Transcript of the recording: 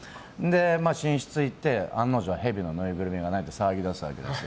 寝室に行って、案の定ヘビのぬいぐるみがないって騒ぎ出すわけですよ。